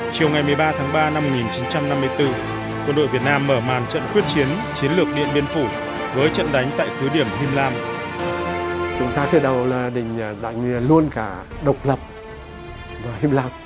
chiều ngày một mươi ba tháng ba năm một nghìn chín trăm năm mươi bốn quân đội việt nam mở màn trận quyết chiến chiến lược điện biên phủ với trận đánh tại cứ điểm him lam